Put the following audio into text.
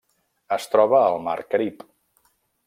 Es troba al mar Carib.